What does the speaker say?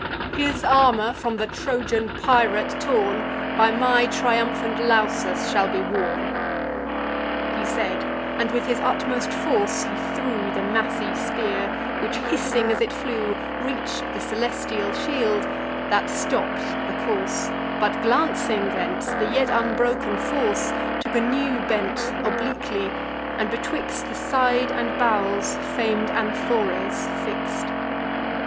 His armour, from the Trojan pirate torn, By my triumphant Lausus shall be worn." He said; and with his utmost force he threw The massy spear, which, hissing as it flew, Reach'd the celestial shield, that stopp'd the course; But, glancing thence, the yet unbroken force Took a new bent obliquely, and betwixt The side and bowels fam'd Anthores fix'd.